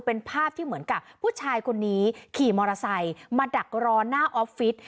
เป็นภาพที่เหมือนกับผู้ชายคนนี้ขี่มอเตอร์ไซค์มาดักรอหน้าออฟฟิศ